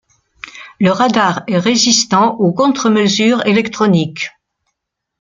Le radar est résistant aux contre-mesures électroniques.